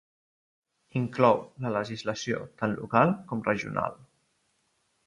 Inclou la legislació tant local com regional.